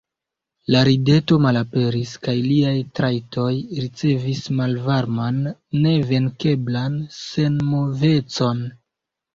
La rideto malaperis, kaj liaj trajtoj ricevis malvarman, nevenkeblan senmovecon.